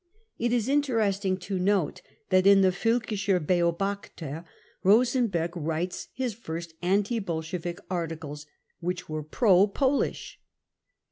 It is interesting to note that in the Volkischer Beobachter Rosenberg wrote his first anti Bolshevik articles— which were pro Polish